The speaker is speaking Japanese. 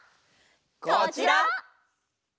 こちら！